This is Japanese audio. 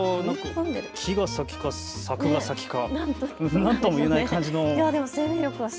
木が先か柵が先か何とも言えない感じですね。